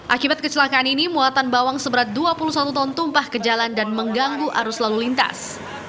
akibat kecelakaan ini muatan bawang seberat dua puluh satu ton tumpah ke jalan dan mengganggu arus lalu lintas